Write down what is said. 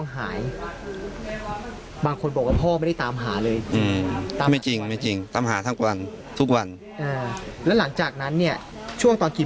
หายบางคนบอกว่าพ่อไม่ได้ตามหาเลยไม่จริงไม่จริงตามหาทั้งวันทุกวันแล้วหลังจากนั้นเนี่ยช่วงตอนกี่